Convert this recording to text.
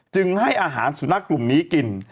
ให้อาหารสุนัขกลุ่มนี้กิน